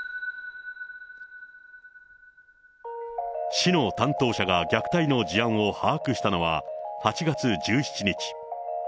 市の担当者が虐待の事案を把握したのは８月１７日。